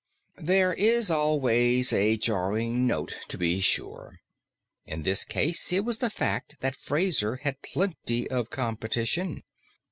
There is always a jarring note, to be sure. In this case, it was the fact that Fraser had plenty of competition.